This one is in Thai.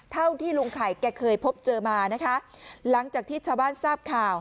เท่าที่ลุงไข่แกเคยพบเจอมานะคะหลังจากที่ชาวบ้านทราบข่าว